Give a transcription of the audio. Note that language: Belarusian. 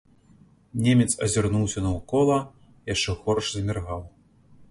Немец азірнуўся наўкола, яшчэ горш заміргаў.